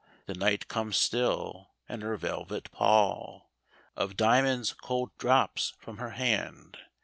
The Night comes still, and her velvet pall Of diamonds cold drops from her hand.